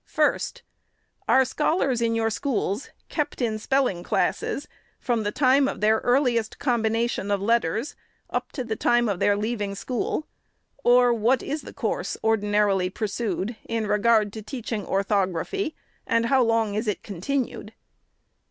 1st. " Are scholars in your schools kept in spelling classes from the time of their earliest combination of let ters, up to the time of their leaving school ; or what is the course ordinarily pursued in regard to teaching orthog raphy, and how long is it continued?